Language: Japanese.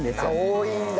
多いんだ。